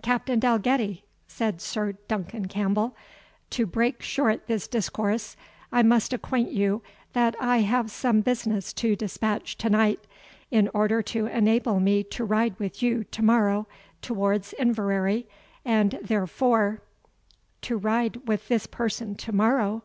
"Captain Dalgetty," said Sir Duncan Campbell, "to break short this discourse, I must acquaint you, that I have some business to dispatch to night, in order to enable me to ride with you to morrow towards Inverary; and therefore " "To ride with this person to morrow!"